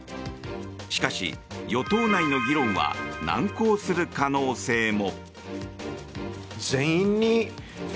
しかし、与党内の議論は難航する可能性も。